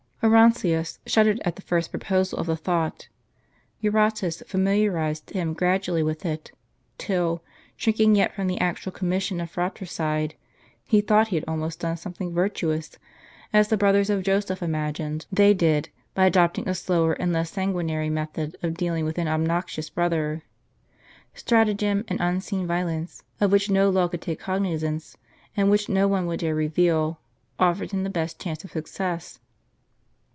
Orontius shuddered at the first proposal of the thought. Eurotas familiarized him gradually with it, till — shrinking yet from the actual commission of fratricide — he thought hie had almost done something virtuous, as the brothers of Joseph imagined they did, by adopting a slower and less sanguinary method of dealing with an obnoxious brother. Stratagem and unseen violence, of which no law could take cognizance, and which no one would dare reveal, offered him the best chance of success.